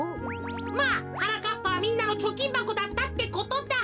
まあはなかっぱはみんなのちょきんばこだったってことだ。